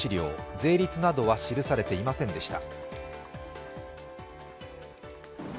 税率などは記されていませんでした。